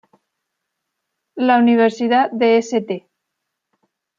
La Universidad de St.